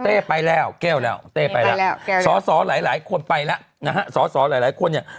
เต้ไปแล้วเกล้วแล้วเต้ไปแล้วสอหลายคนไปแล้วสอหลายคนเนี่ย